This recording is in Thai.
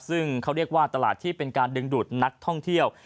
ซึ่งเขาเรียกว่าตลาดที่เป็นการดึงดูดนักท่องเที่ยว